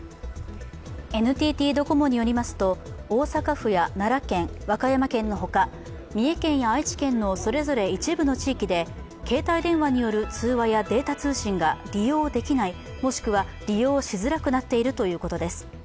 ＮＴＴドコモによりますと大阪府や奈良県、和歌山県のほか三重県や愛知県のそれぞれ一部の地域で携帯電話による通話やデータ通信が利用できない、もしくは利用しづらくなっているということです。